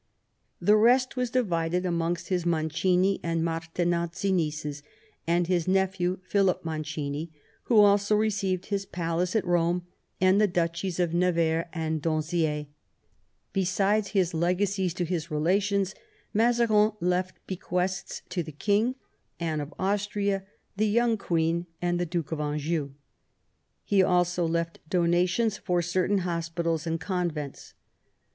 The rest was divided amongst his Mancini and Martinozzi nieces, and his nephew, Philip Mancini, who also received his palace at Eome and the duchies of Nevers and Donziais. Besides his legacies to his relations, Mazarin left bequests to the king, Anne of Austria, the young queen, and the Duke of Anjou. He also left donations for certain hospitals and convents.